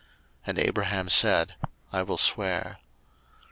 01:021:024 And Abraham said, I will swear.